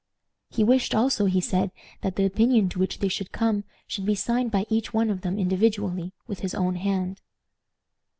He wished also, he said, that the opinion to which they should come should be signed by each one of them individually, with his own hand.